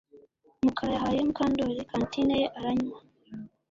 Mukara yahaye Mukandoli kantine ye aranywa